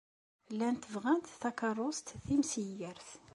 Llant bɣant takeṛṛust timsigert.